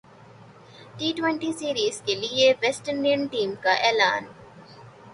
T twenty series کیلئے West Indian team کااعلان